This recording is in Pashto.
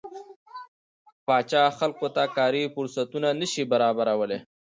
پاچا خلکو ته کاري فرصتونه نشي برابرولى.